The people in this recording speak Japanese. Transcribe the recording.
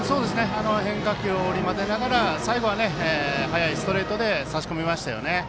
変化球を織り交ぜながら最後は速いストレートで差し込みました。